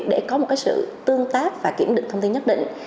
để có một sự tương tác và kiểm định thông tin nhất định